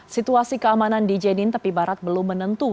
situasi keamanan di jenin tepi barat belum menentu